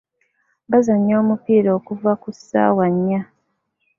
Bazannya omupiira okuva ku ssaawa nnya.